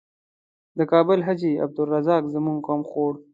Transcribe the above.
د کابل حاجي عبدالرزاق زموږ غم خوړ.